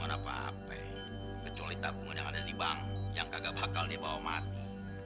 apa apa kecuali tabungan yang ada di bank yang kagak bakal dibawa mati